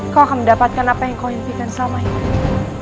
kau akan mendapatkan apa yang kau impikan selama hidupku